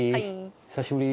久しぶり！